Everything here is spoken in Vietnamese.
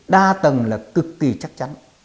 đa tầng là cực kỳ chắc chắn